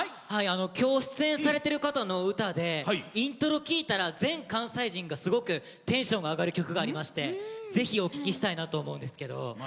今日出演されてる方の歌でイントロを聴いたら全関西人がすごくテンションが上がる曲がありましてぜひ、お聴きしたいと思いますが。